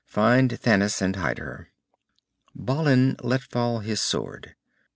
"Find Thanis, and hide her." Balin let fall his sword.